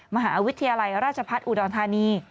มหาวิทยาลัยราชพัฒน์อุดรธานี